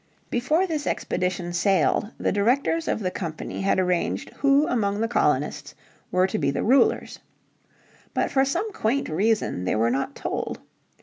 Before this expedition sailed the directors of the Company had arranged who among the colonists were to be the rulers. But for some quaint reason they were not told.